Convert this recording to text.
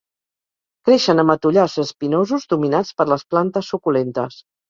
Creixen a matollars espinosos dominats per les plantes suculentes.